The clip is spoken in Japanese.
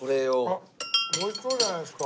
あっ美味しそうじゃないですか。